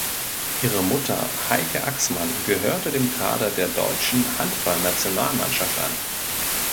Ihre Mutter Heike Axmann gehörte dem Kader der deutschen Handballnationalmannschaft an.